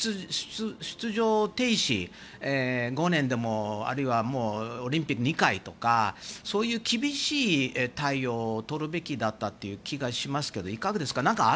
出場停止、５年でもあるいはオリンピック２回とかそういう厳しい対応をとるべきだったという気がしますけどいかがですか。